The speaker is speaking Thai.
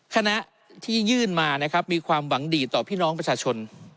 คณะที่ยื่นมานะครับมีความหวังดีต่อพี่น้องประชาชน